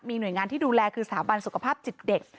หน่วยงานที่ดูแลคือสถาบันสุขภาพจิตเด็ก